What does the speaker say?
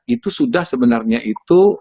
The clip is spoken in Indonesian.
itu sudah sebenarnya itu